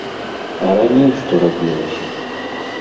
А раней што рабілася!